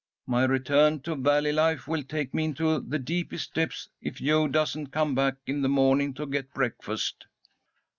My return to valley life will take me into the deepest depths if Jo doesn't come back in the morning to get breakfast."